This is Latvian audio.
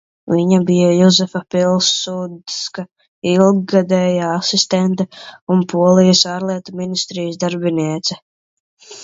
Viņa bija Juzefa Pilsudska ilggadēja asistente un Polijas Ārlietu ministrijas darbiniece.